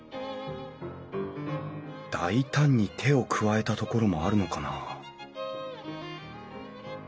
大胆に手を加えたところもあるのかな？